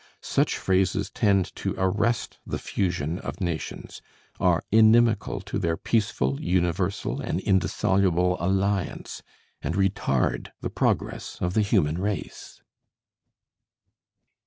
Such phrases tend to arrest the fusion of nations, are inimical to their peaceful, universal, and indissoluble alliance, and retard the progress of the human race.